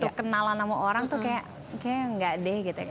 jadi kenalan sama orang tuh kayak kayak gak deh gitu ya